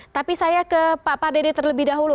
tapi saya ke pak pak dede terlebih dahulu